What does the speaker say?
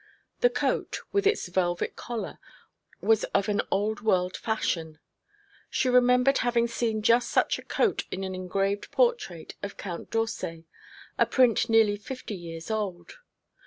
The coat, with its velvet collar, was of an old world fashion. She remembered having seen just such a coat in an engraved portrait of Count d'Orsay, a print nearly fifty years old.